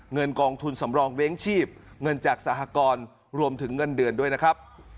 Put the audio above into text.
เงินกองทุนสำรองเว้งชีพเงินจากสหกรณ์รวมถึงเงินเดือนด้วยนะครับ